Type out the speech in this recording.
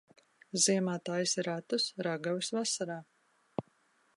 Ziemā taisi ratus, ragavas vasarā.